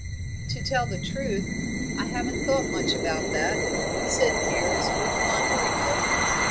"To tell the truth, I haven't thought much about that," said Piers, with wandering look.